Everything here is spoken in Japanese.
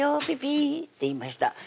ピピーっていいました